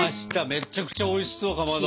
めちゃくちゃおいしそうかまど。